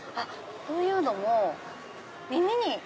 こういうのも耳に。